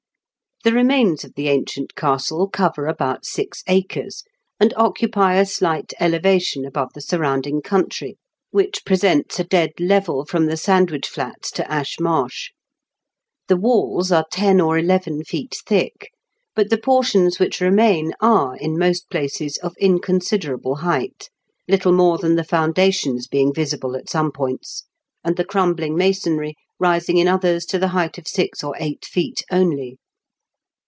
The remains of the ancient castle cover about six acres, and occupy a slight elevation above the surrounding country, which presents a dead level from the Sandwich Flats to Ash 230 IN KENT WITS CSABLE8 BI0KEN8. Marsk The walls are ten or eleven feet thick^ but the portions which remam are, in most places, oi inconsid^able height. Little more than the foundations being visible at some points, and the crumbling masonry rising in others to the height of six or eight feet only.